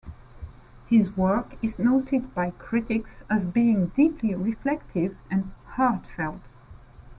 His work is noted by critics as being deeply reflective and heartfelt.